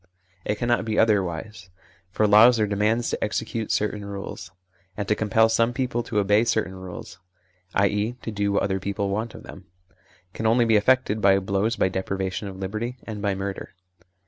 It cannot be otherwise. For laws are demands to execute certain rules ; and to compel some people to obey certain rules (i.e. to do what other people want of them) can only be effected by blows, by deprivation of liberty, and by murder.